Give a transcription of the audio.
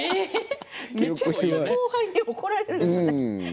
めちゃくちゃ後輩に怒られるんですね。